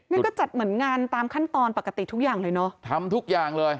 นี่ก็จัดเหมือนงานตามขั้นตอนปกติทุกอย่างเลยเนอะทำทุกอย่างเลย